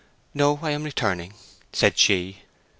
"No, I am returning," said she.